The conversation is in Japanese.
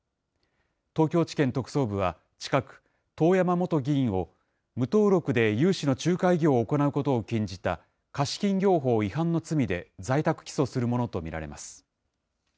東京地検特捜部は近く、遠山元議員を無登録で融資の仲介業を行うことを禁じた貸金業法違反の罪で在宅起訴するものと見られます。